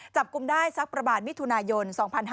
จับกลุ่มได้สักประมาณมิถุนายน๒๕๕๙